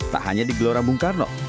tak hanya di gelora bung karno